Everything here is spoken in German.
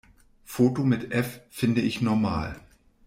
Foto mit F finde ich normal.